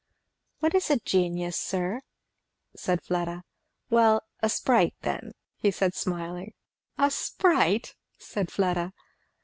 "What is a genius, sir?" said Fleda. "Well a sprite then," said he smiling. "A sprite!" said Fleda.